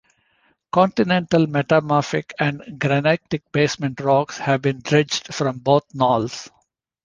Continental metamorphic and granitic basement rocks have been dredged from both knolls.